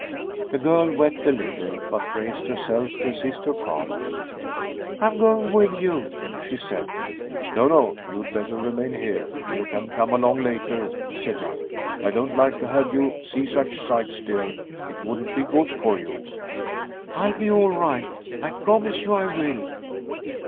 The girl wept a little, but braced herself to assist her father. "I'm going with you," she said. "No, no. You'd better remain here: you can come along later," said Young. "I don't like to have you see such sights, dear. It wouldn't be good for you." "I'll be all right. I promise you I will."